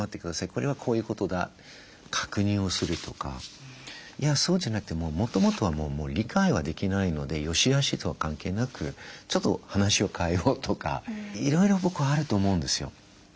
これはこういうことだ確認をするとかいやそうじゃなくてもともとはもう理解はできないので善しあしとは関係なくちょっと話を変えようとかいろいろ僕はあると思うんですよ。